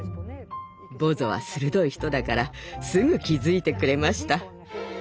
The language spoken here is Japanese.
ボゾは鋭い人だからすぐ気付いてくれました。